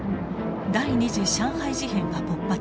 第二次上海事変が勃発します。